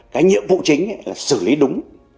cái nhiệm vụ chính là xử lý đúng